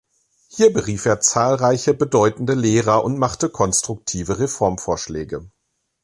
Hier berief er zahlreiche bedeutende Lehrer und machte konstruktive Reformvorschläge.